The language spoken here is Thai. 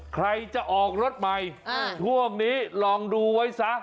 ใครจะออกรถใหม่ช่วงนี้ลองดูไว้ซะ